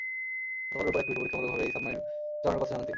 গতকাল রোববার এক টুইটে পরীক্ষামূলকভাবে ওই সাবমেরিন চালানোর কথা জানান তিনি।